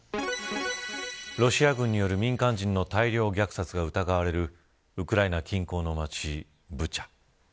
ロシア軍による民間人の大量虐殺が疑われるウクライナ近郊の町ブチャ。